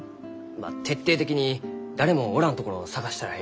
まあ徹底的に誰もおらんところを探したらえい。